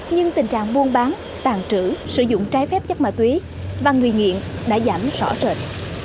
nhưng tình trạng buôn bán tàn trữ sử dụng trái phép chất ma túy và người nghiện đã giảm rõ rệt